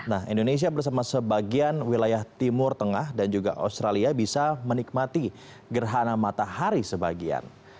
nah indonesia bersama sebagian wilayah timur tengah dan juga australia bisa menikmati gerhana matahari sebagian